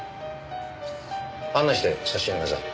案内して差し上げなさい。